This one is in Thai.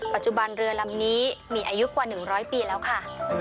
ปัจจุบันเรือลำนี้มีอายุกว่า๑๐๐ปีแล้วค่ะ